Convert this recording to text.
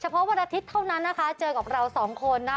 เพราะวันอาทิตย์เท่านั้นนะคะเจอกับเราสองคนนะ